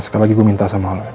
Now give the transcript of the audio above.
sekali lagi gue minta sama allah